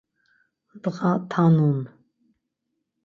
Ndğa tanun.